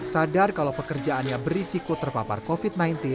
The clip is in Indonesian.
sadar kalau pekerjaannya berisiko terpapar covid sembilan belas